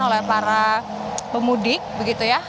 untuk pemudik begitu ya